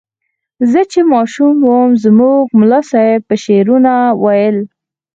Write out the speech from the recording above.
زه چې ماشوم وم زموږ ملا صیب به شعرونه ویل.